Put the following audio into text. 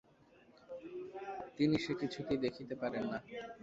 তিনি সে কিছুতেই দেখিতে পারেন না।